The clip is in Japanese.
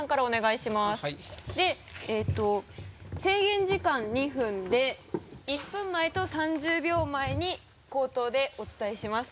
制限時間２分で１分前と３０秒前に口頭でお伝えします。